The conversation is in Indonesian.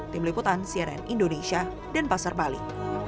tim liputan siren indonesia denpasar bali